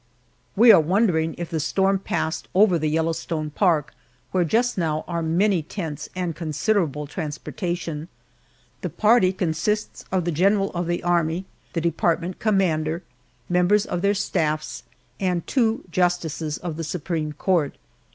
We are wondering if the storm passed over the Yellowstone Park, where just now are many tents and considerable transportation. The party consists of the general of the Army, the department commander, members of their staffs, and two justices of the supreme court.